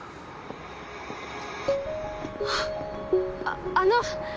ああの。